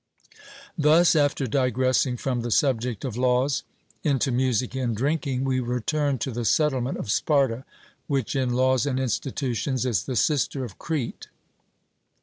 Thus, after digressing from the subject of laws into music and drinking, we return to the settlement of Sparta, which in laws and institutions is the sister of Crete.